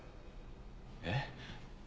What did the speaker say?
えっ？